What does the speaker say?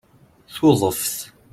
Tuḍeft